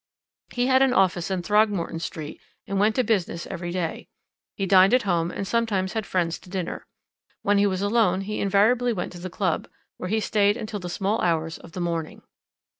"He had an office in Throgmorton Street and went to business every day. He dined at home, and sometimes had friends to dinner. When he was alone he invariably went to the club, where he stayed until the small hours of the morning.